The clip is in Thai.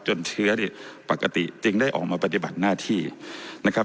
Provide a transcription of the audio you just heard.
เชื้อเนี่ยปกติจึงได้ออกมาปฏิบัติหน้าที่นะครับ